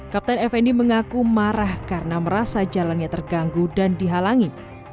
kapten fnd mengaku marah karena merasa jalannya terganggu dan dihalangi